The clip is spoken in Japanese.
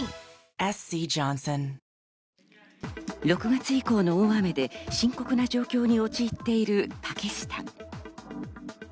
６月以降の大雨で深刻な状況に陥っているパキスタン。